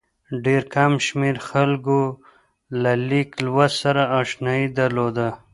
ډېر کم شمېر خلکو له لیک لوست سره اشنايي درلوده.